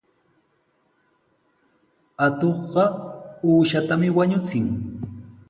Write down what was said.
Atuqqa uushatami wañuchin.